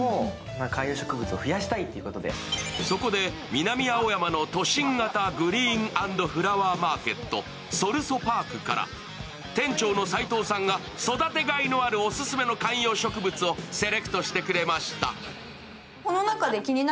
南青山の都心型グリーン＆フラワーマーケット、ＳＯＬＳＯＰＡＲＫから店長の齋藤さんが育てがいのあるオススメの観葉植物をセレクトしてくれました。